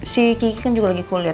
si kiki kan juga lagi kuliah